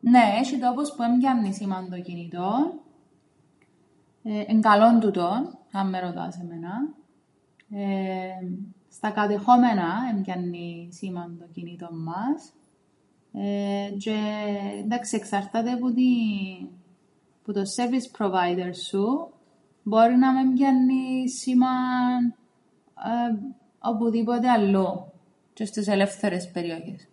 Νναι, έσ̆ει τόπους που εν πιάννει σήμαν το κινητόν. Εν' καλόν τούτον αν με ρωτάς εμέναν. Εεε στα κατεχόμενα εν πιάννει σήμαν το κινητόν μας τζ̆αι εντάξει εξαρτάται τζ̆αι που την- τον service provider σου. Μπορεί να μεν πιάννει σήμαν οπουδήποτε αλλού, τζ̆αι στες ελεύθερες περιοχές.